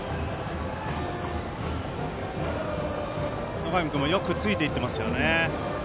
野上君もよくついていっていますね。